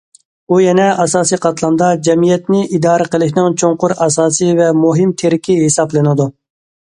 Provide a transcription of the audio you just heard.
ئۇ يەنە ئاساسىي قاتلامدا جەمئىيەتنى ئىدارە قىلىشنىڭ چوڭقۇر ئاساسى ۋە مۇھىم تىرىكى ھېسابلىنىدۇ.